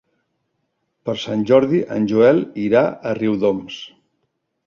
Per Sant Jordi en Joel irà a Riudoms.